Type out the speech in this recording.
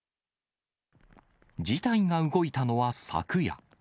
事態が動いたのは昨夜。